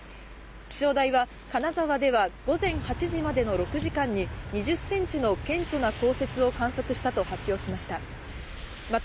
気象台は金沢では午前８時までの６時間に２０センチの顕著な降雪を観測したと発表しました。